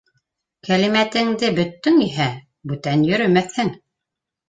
Кәлимәтеңде бөттөң иһә, бүтән йөрөмәҫһең.